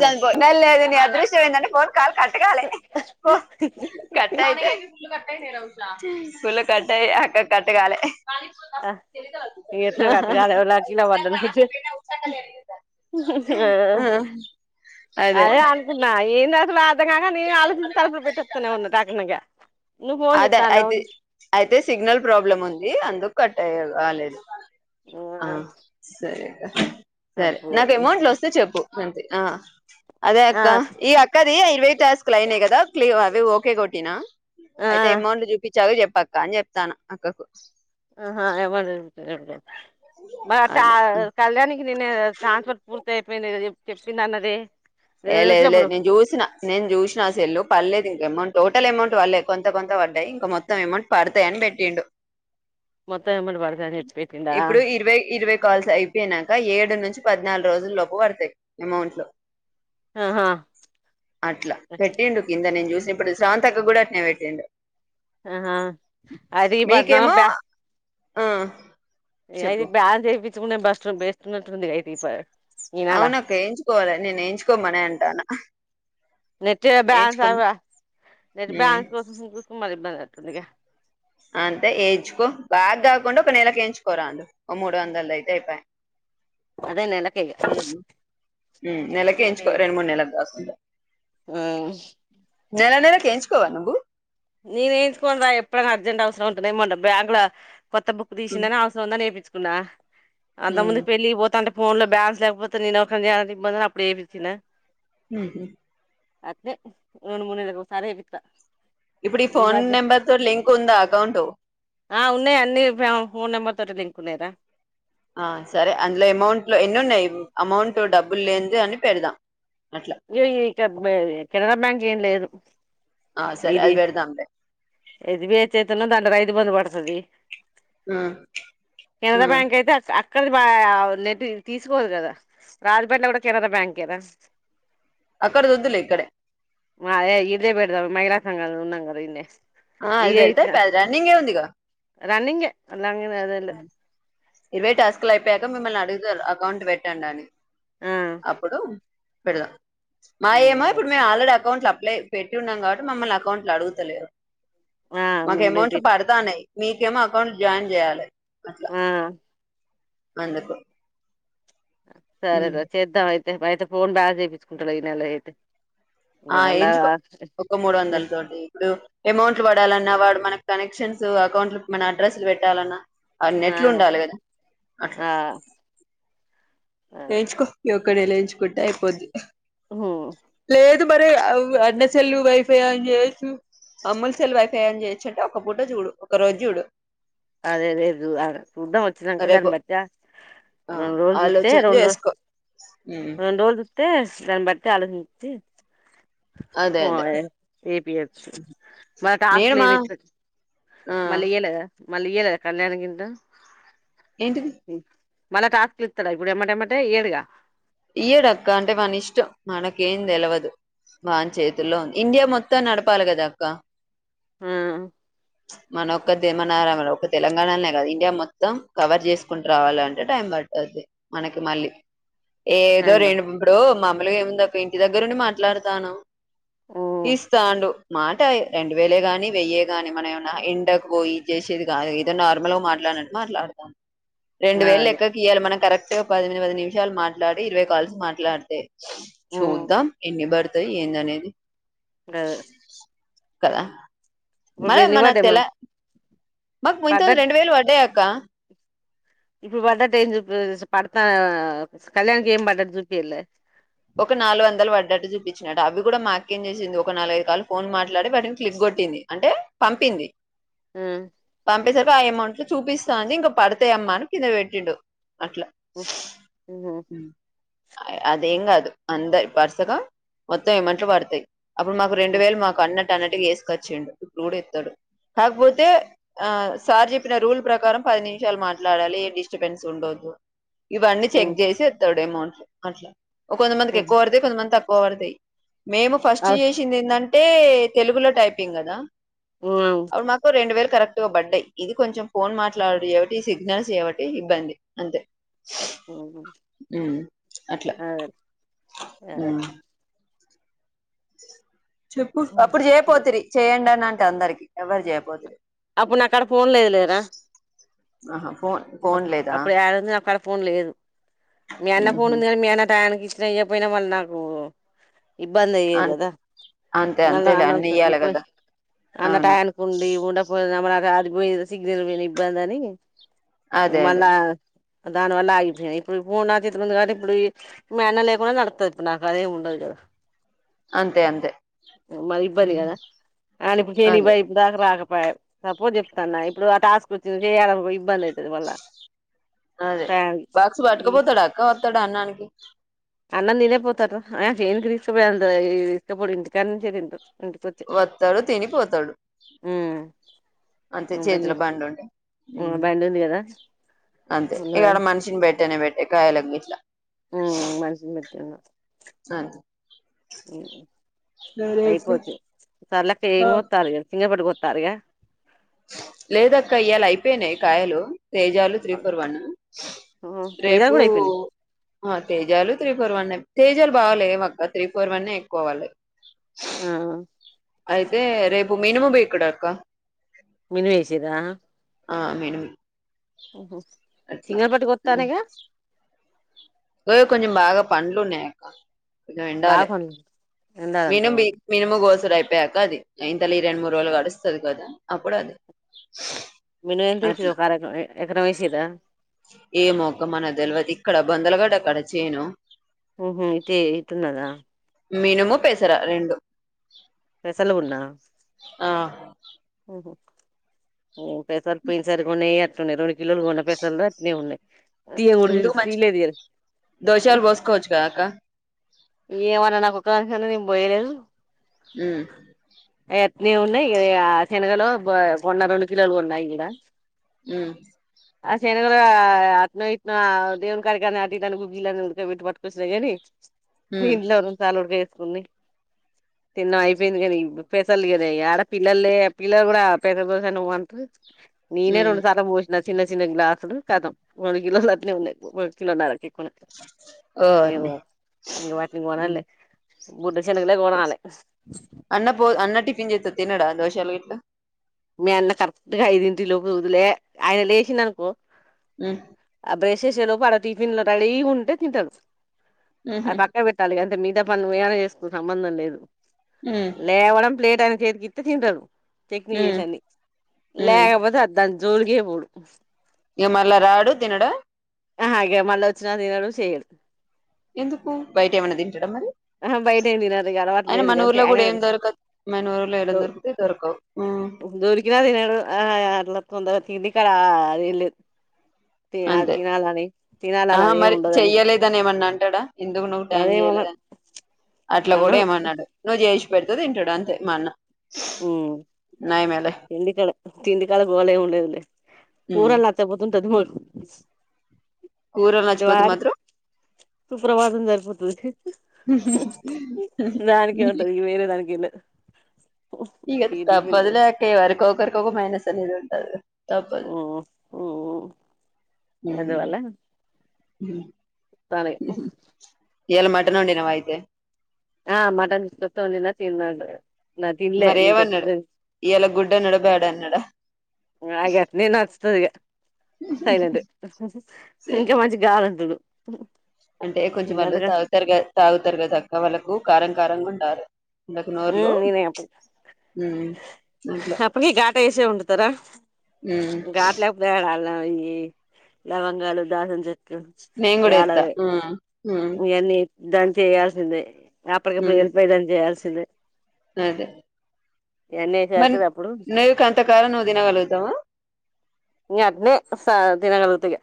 చపో లేదు లేదు నీ అదృష్టం ఏంటంటే ఫోన్ కాల్ కట్కాలే పో కట్టయితే [unintelligible] ఫులు కట్ట యి ఆక కట్ కాలే ఆ ఎట్నో గట్ కాలే [unintelligible] ఆ ఉమ్, అదే అనుకున్నా ఏంది అసలు అర్థం గాక నేను ఆలోచిస్తా తడబ పెట్టేస్తు ఉన్న దగనగా అదే అయితే అయితే సిగ్నల్ ప్రాబ్లమ్ ఉంది అందుకు కట్ అ అలేదు [unintelligible] ఆ సరే [inaudible] సరే అబ్బో నాకు అమౌంట్లు వస్తే చెప్పు అంతే ఆ అదే ఆ అక్క ఈ అక్కది ఇరవ టాస్క్లు అయ్యినాయి కదా క్లీ అవి ఓకే కొటినా ఆ అయితే అమౌంట్ చూపిచాగా చెప్ పక్క అని చెప్తాన్నా అక్కకు ఆహా ఎవలే లే ఉంటే మర అటా అదే ఉమ్. కళ్యానీ కి నిన్న ట్రాన్స్ఫర్ పూర్తి అయిపోయింది కదా చెప్ వి అన్నదే ఎ లేదు లేదు నేను జ్యూసిన నేను జ్యూసిన సెల్లు పడలేదు ఇంకా అమౌంట్ టోటల్ అమౌంట్ పడలేదు కొంత కొంత పడ్డాయి ఇంకా మొత్తం అమౌంట్ పడతాయి అని పెట్టిండు మొత్తం ఎమౌంట్ బడతయని చ్చ్ పెట్టిండా. ఇప్పుడు ఇరవై ఇరవై కాల్స్ అయిపోయినాక ఏడు నుంచి పద్నాల్రోజుల్లోపు బడతాయ్ ఎమౌంట్లు. ఆహా అట్లా పెట్టిండు కింద మేమ్ జూసెం ఇప్పుడు శ్రవంతక్కకి గూడా అట్నే పెట్టిండు. ఆహా అది పద్మ బే హ్మ్ ఏ అయిది బ్యాన్ చెపి సివున్నే బస్ట్ర్ బేస్తునట్టు గ ఉంది గ అయితే ఈసారి. అవును అక్క ఎయించుకోవాలి నేను ఎయించుకోమనే అంటన నెట్ బ్యాలెన్స్ ఏయించుకో హ్మ్. కొద్దిగ అంతే ఎయించుకో బాగ్గాకుండ ఒక నెలకియించుకోరాండు ఒక మూడు వందల్ దైతే అయిపోయె. అదే నెలకే ఇగ హ్మ్ హు హ్మ్ నెలకే నెలకేయించుకో రెండు మూడు నెల గాకుండా. నెల నెల కేయించుకోవా నువ్వు నేను ఎయించుకోను రా ఎప్పుడైనా అర్జెంట్ అవసరం ఉంటేనే ఏమొన్న బ్యాంక్ లో. కొత్త బుక్ దీసిందనీ అవసరముందని ఎపించుకున్న. ఉందా అంత ముందు పెళ్ళి పోతాంట ఫోన్ లో బ్యాన్స్ లేకపోతే నేను ఒకనే అది ఇబ్బంది అని అప్పుడు ఏపిచిన. హ్మ్ అద్దే రెండు మూడు నెల్ల ఒసారే ఏపిత్తా. ఇప్పుడు ఈ ఫోన్ మధ్య నెంబర్ తో లింక్ ఉందా అకౌంట్ ఆ ఉన్నాయి అన్నీ ఫెమ్ ఫోన్ నెంబర్ తోటిది. కునేద ఆ సరే అందులో అమౌంట్ లో ఎన్ని ఉన్నాయి అమౌంట్ డబ్బులు లేంది అన్ని పెడదాం. అట్లా గిది చెక్బే కెనరా బ్యాంక్ ఏం లేదు. ఆ సరే ఇది అది పెడదాంలే ఇదివేచెత్తనం దండరయి ఇబ్బంది పడతది. కెనడా బ్యాంక్ అయితే అక అక్. అక్కడ మా లేటి తీస్కోదు గద రాజపేట్లో కూడా కెనరా బ్యాంకే గ. అక్కడ దొద్దులే ఇక్కడే. మరే ఇదే పెడదామ్. మహిళ సంఘాలున్నాం గదా ఇడ్నే ఆ అది పెడతే పె రన్నింగ్ ఏ ఉంది ఇగ. రన్నింగ్ ఏ ఇరవై టాస్క్ల్ అయిపోయాక మిమ్మల్ అ రిజల్ అకౌంట్ పెట్టండని ఆ అప్పుడు [unintelligible] మాయేమో ఇప్పుడు మేము అల్రెడి అకౌంట్ అలై పెట్టి ఉన్నాం కాబట్టి మమల్ని అకౌంట్ లుఅడుగుతలేవు ఆ మాకు మీరు ఎమౌంట్ పెట్ పడతానాయి మీకేమో అకౌంట్ జాయిన్ చేయాలి అట్లా ఆ అందుకు సరే ర ఉమ్. చేద్దాం ఆ అయితే అయితే ఫోన్ బాగా చూపించుకుంటాలే ఈ నెల అయితే ఇంక ఆ మళ్ళా ఎంచుకో ఒక మూడు వందల తోటీ ఇప్పుడు ఎమౌంట్లు పడాల వాడు మన కనెక్షన్స్ అకౌంట్ మన అడ్రస్లు పెట్టాలన్నా అన్నెట్లు ఉండాలి కదా అట్లా ఆ ఆ నేన్చుకొ ఇక్కడ [unintelligible] అయిపోద్ది హు లేదు మరి అన్నసెల్లు వైఫై అని చేయొచ్చు అమ్మలు సెల్లు వైఫై అని చేయచ్చుంటే ఒక పూట చూడు ఒక రోజు చూడు అదే లేదు చూద్దాం వచ్చినంక దాని రేపు బట్టి ఆ రెండు రోజులు చూస్తే ఆలోచన చేసుకో ఉమ్, రెండ్రోజులు చూస్తే దాన్ బ అదే అదే నేను మా ఆ [unintelligible] [unintelligible] మళ్ళీ ఇయ్యలేద కళ్యాణ్ [unintelligible] ఏంటిది మల్ల టాస్క్ లు ఇతడ ఎమ్మటెమ్మటే ఇయ్యాడుగా ఇయ్యడక్క అంటే మన ఇష్టం మనకేం తెలవదు వాని చేతుల్లో ఇండియా మొత్తం నడపాలి కదా అక్క ఆ మన ఒక్క మన ఒక తెలంగాణనే కాదుా ఇండియా మొత్తం కవర్ చేసుకుంటూ రావాలంటే టైం పడుతది మనకి మళ్ళీ ఏదో టైం బా రెండు మా [unintelligible] ఏముంది అక్కఇంటి దగ్గరుండి మాట్లాడతాను మ్మ్ ఇస్తాండు మాట రెండు వేలే గాని వెయ్యే గాని మన ఏమన్నా ఇండకు పో ఇది చేసేది కాదు ఏదో నార్మల్ గా మాట్లాడినట్టు మాట్లాడతామ్ రెండు వేలు అదే లెక్క ఇయ్యాల మన కరె [unintelligible] పది నిమిషాలు మాట్లాడి ఇరవై కాల్స్ మాట్లాడితే మ్మ్ చూద్దాం ఎన్ని పడుతాయి ఏంది అనేది అ కద మళ్ళ మన పడ్డయి తెల మరి మక్ పించన్లు పడ్డట్ రెండు వేలు వడ్డయ్ ఆ క ఇప్పుడు పడ్డట్టు ఏం జూపియలే పడతా కళ్యాణ్ కి ఏం పడ్డట్టు జూపియలే ఒక నాలుగొందలు వడ్డట్టు జుపి వచ్చినట్టు అవి గూడా మా అక్క ఏం జేసింది ఒక నాలుగైదు కాలు ఫోన్ మాట్లాడి వాటిని క్లిక్ గొట్టింది అంటే పంపింది ఉమ్ ఇంకా అమౌంట్లు చూపిస్తా అండి ఇంకా పడతాయమ్మా అని కింద వెట్టిండు. అట్లా ఉమ్ అదేం కాదు అందే వరుసగా మొత్తం అమౌంట్ లు పడతాయి అప్పుడు మాకు రెండు ఉమ్ వేలు మాకు అన్నట్ కనట్టు చేసుకొచ్చిండు ఇప్పుడ్ కుడ్ జెప్తడు కాక్పోతే ఆ సార్ చెప్పిన రూల్ ప్రకారం పది నిమిషాలు మాట్లాడాలి ఏ డిస్టబెన్స్ ఉండొదు ఇవన్నీ ఉమ్ చెక్ జేసి ఇత్తడు ఏమో అన్ అట్లా ఒక కొంతమందికి ఉమ్ ఎక్కువ పడతాయి కొంతమందికి తక్కు వొ వర్ తయ్ మేము ఫస్ట్ అవ్ యేశింది ఏందన్ ట్టే తెలుగులో టైపింగ్ గదా అప్డు మాకు రెండు వేలు కరెక్ట్ గా బడ్డాయి ఇది కొంచెం ఫోన్ మాట్లాడుడు జేబట్టి ఈ సిగ్నల్స్ జేబట్టి ఇబ్బంది అంతే ఉమ్ అట్లా ఆ ఆ ఉమ్. చెప్పు అప్పుడు చేయపోతురి చేయండి అని అంటే అందరికి ఎవర్ జేయ్పోతే అప్పుడ్ నాకాడ ఫోన్ లేదు లేరా ఆహా ఫోన్ ఫోన్ లేదా అప్పుడ్ యాడుంది నాకడ ఫోన్ లేదు మీ అన్న ఫోన్ ఉహు ఉంది గాని మీ అన్న టయానికి చేయ్యక్పోయినా వాళ్ నాకు అంతే ఇబ్బందయ్యేగదా అంతే మళ అంతేలే అన్న [unintelligible] అన్ని అన్న ఇయ్యాలి పోయి కదా అన్న అవును టయాన్కుండీ ఉండపోయ [unintelligible] అది పోయి ఇది సిగ్నల్ మీదిబ్బందని ఇ అదే అదే మోన్నా దానివల్ల ఆగిపోయియి ఇప్పుడు ఫోను నా చేతిలో ఉంది కాబట్టి ఇప్పుడు ఈ మీ అన్న లేకుండా నడుపుతుంది ఇప్పుడు నాకు అదేమి ఉండదు కదా అంతే అంతే మరి ఇబ్బంది కదా అని చేనికి అదే పోయి ఇప్పుడు దాకా రాకపో సపోజ్ చెప్తాన్నా ఇప్పుడు ఆ టాస్క్ వచ్చింది చేయాలకో ఇబ్బందిదు అదే బాక్స్ ఈ పట్టుకపోతాడు అక్క వస్తాడు అన్నానికి చీ అన్నం తినే పోతాడు రా ఆ ఏంది తీసుకుపోయేది అంటాడు తీసుక పోడు ఇంటి కాడ నుంచే తింటాడు వస్తాడు తినిపోతాడు అంతే వంటలు చేతిలో చేస్ బండి ఉండే ఆ ఉ బండి ఉంది కదా అంతే ఇక్కడ ఉన్నదని మనిషిని బట్టనే పెట్టే కాయల్ లని ఉ మనిషిని బట్టి ఇంకా అంతే ఉ అయిపోచ్చు సర్లే అక్క ఏం కోస్తారు చీకటీ పడితే టారిగా లేదక్కా ఇయ్యాల అయిపోయింది కాయలు తేజాలు త్రీ ఫోర్ వన్ ఉమ్ తేజ రేపు కూడా అయిపోయినాయి తేజాలు త్రీ ఫోర్ వన్ అ తేజాలు బాగాలే మక్క త్రీ ఫోర్ వన్ ఎక్కువాలి ఆ అయితే రేప్ భూమి నుము బేక్డా అక్క మేణువు వేసిర్ర ఆ మేడం ఓహ సింగారపటకి వస్తానిగా అో కొంచం బాగా పండ్లునకా బాగా ఉండాలి పండు మీను ఎండాలంటవా మీనుము గోస్ అయిపోయాక అది ఇంతల్ ఈ రెండు మూడు రోజులు గడుస్తుంది కదా అప్పుడు అది మినుము ఎంత వేసిర్రు అట్లా ఒక అర ఎకరం వేసిర్రా ఏ మొక్కం మన తెలివతే ఇక్కడబ్బందలు కట్ట కడచేను హ అయితే ఇటున్నదా మీనుము పేసరా రెండు పెసలు ఉన్నా ఆ ఓహో పేసర్ పున్సారుకు న్యారు న్నాయి రెండు కిలోలు కొన్న పసలు అటనే ఉన్నాయి తీయగుడ హిందు మంచి తీయలేదు తీయలే దోషాలు పోసుకోవచ్చు కదాక ఏమన్నా నాకు కుక్క అను ని పోయలేదు ఉమ్ ఎత్ నవున్న శనగలో కొన్న రెండు కిలోలు కొన్నాయి ఇడ ఉ ఆ శనగాలని ఆటు ఇట్నో దేవుడికడికి అట ఇటు అయిన గుగ్గులు ఉడకపెట్టి పట్టుకొస్తా కానీ ఉమ్ ఇల్లవరు చాలడ్గే [unintelligible] న్ని తిన్న అయిపోయింది కానీ పెసలు కద ఆడ పిల్లలే పిల్లలు కూడా పెద్ద బోజ నువ్ అంటారు నేనే ఉమ్ రెండుసార్లు పోస్ చిన్న చిన్న గ్లాసులు కదం మూడు కిలోలు అల్టే ఉన్నాయి కిలో నరకి ఓర్ని ఇం వాట్ కొనను లే బుడ్డ శనగలే కొనాలే అన్న పో అన్న టిఫిన్ చేస్తే తినడ దోస చెలట్ మీ అన్న కరెక్ట్ గా ఐదింటిలోపు లే ఆయన లేచిండనుకో ఆ చేసేలోపు ఆడ టిఫిన్లు రెడీ గా ఉంటే తింటాడు మ్హు అది పక్క పెట్టాలి అంతే మీ పెద్ద పని నువు ఏమైనా చేసుకో సంబంధం లేదు మ్మ్ లేవడం ప్లేట్ అన్ని చేతికి ఇత్తే తింటాడు చేస మ్మ్ అని మ్మ్ లేకపోతే అద్ద జోల్గే పోడు ఏ మల్ల రాడు తినడు ఆహా మళ్ళ వచ్చిన తినడు చేయడు ఎందుకు బయట ఏమైన్నా తింటడ మరి ఆహా బయట ఏం తినరు ఇగ అలవాటు అయిన లేదు ఇగ మన అంతే ఊర్లో ఆయన కూడా ఏం దొరకదు మన ఊర్లో యేడన దో దొరికితే దొరకవు తగది కడ అది ఇలిదు అ ఆ మరి చెయ్యలేదని ఏమన్నా అంటాడా ఎందుకు నువ్వు టైం అదేమనడు చేయలేదని అట్లా కూడా అనడు ఏమన్నాడు నువ్వు చేసు పెడుతుంది తింటాడు అంతే మా అన్న ఉ నయమేలే తిండికాడ తిండికాడ గోళ ఏమి ఉండేదులే మ్మ్ కూరలు నచ్చకపోతే [inaudible] కూరలు నచ్చిపోతే దార్ మాత్రం తూ ప్రవాసందరపో దానికే ఉంటది ఇగ వేరే దానికేం లేదు ఇక తప్పదు టిఫిన్లు లే ఎవరికో ఒకరి ఇంకొక మైనస్ అనేది ఉంటది తప్పదు అందువల్ల ఊ టానే ఇయ్యాల మటన్ వండినవా అయితే ఆ మటన్ కొత్త వొండినా తిన్నాడు నా తిన్లే మరేం అన్నాడు ఇంకెప్పుడు ఇయ్యాల గుడ్ అన్నాడా బ్యాడ్ అన్నాడా నాకు అట్నే నచ్చుతాదిగ సైలెంటే ఇంకా మంచిగ కావాలంతుడు అంటే కొంచెం వాళ్ళు తాగుతారు గా తాగుతారు కదాక్క వాళ్ళకు కారం కారంగున్ టారు ఇందాకు నోర్లు నేనే అప్ప ఊ అట్లా చే వండుతారా ఉమ్, గాట్లేకుపోల య్యి లవంగాలు దాసం చె నేను కూడా ఎలా ఎత్తా ఉమ్, ఉమ్, ఎన్ని దాన్ని చేయాల్సిందే అప్పకిప్పుడు ఉమ్, వెెళపోదని చేయాల్సి సల అదే ఇవన్నీ వేసారు మరి కదా అప్పుడు నిక్ అంతకారామం నువ్వు తినగలుగుతావా ఇ అడ్నే స తినకలుగుతఇగ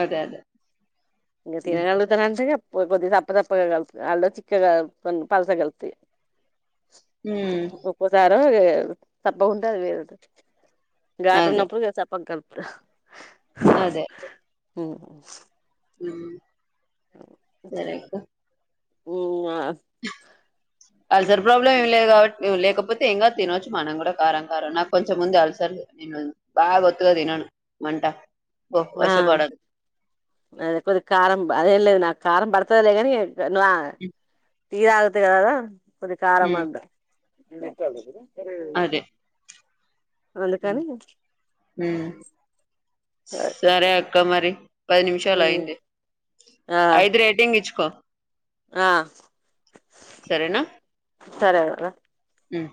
అదే అదే గతిగా నళ్లు త రం సగా కొద్ తప్ప తప్పగా కల్పిత అళ్ళ చిక్కగా పల్స కల్పిత ఉమ్, ఉప్పుజారగ. సప్పగా ఉంతది అది వేరుంటది. ఘట్ అదే ఉన్నప్పుడు చప్పగా గల్పు ఉ. ఆ సరేకు. హమ్ ఓ. అసార్ ప్రాబ్లమ్ ఏమిలేదు కాబట్టి లేకపో. కపోతే ఏమికాదు తినొచ్చు మనం కూడా కారం కారం నాకు కొంచెం ముందు అలసలు నేను బాగా ఒత్తుగా తినను మంట ఓ ఆ వశపడదు అది కొద్ది కారం అదే అదేంలేదు నాకు. కారం పడతదిలే కానీ. [unintelligible] వా ఉమ్, ఈయాల్ట కదా. [inaudible] కొద్ది కారం ఉమ్, అంత ఏం కాలేదు కదా హ్మ్ అదే అందుకని ఉమ్, ఉమ్. సరే అక్క మరి పది నిమిషాలు ఐయింది ఆ ఐదు రేటింగ్ ఇచ్చుకో ఆ సరేనా సరే వదిన ఉమ్,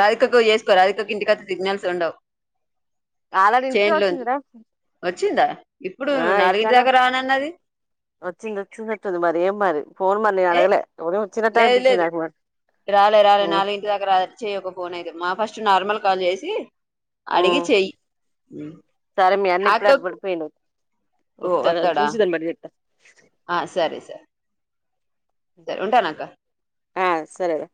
రాధికకు చేసుకో రాధికకు ఇంటికడా సిగ్నల్స్ ఉండవ్ ఆల్రెడీ ఇంటికే వచ్చింది రా వచ్చిందా ఇప్పుడు ఆ నాలుగింటి ఇంటికనే దాకా రానన్నది వచ్చింది వచ్చినట్టుంది మరి ఏం మరి ఫోన్ మరి నేను ఏ అడగలే ఏవరో తినటానికి పిల్సుర పో [inaudible] రాలె రాలె నాలుగు ఇంటి దాకా రాదట చేయ ఒక ఫోన్ అయితే మా ఫస్ట్ నార్మల్ కాల్ చేసి అడిగి చెయి సరే మీ అన్న ఇప్పుడే అటు పడిపోయిందు ఓ ఒస్తాడా వత్తాడా చూసి దాని బట్టి చెప్తా ఆ సరే సార్ సరే ఉంటాను అక్క ఆ సరేల